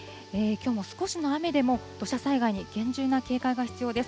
きょうも少しの雨でも、土砂災害に厳重な警戒が必要です。